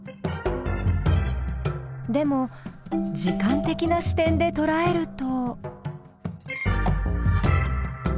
でも時間的な視点でとらえると。